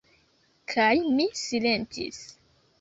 Kaj mi silentis.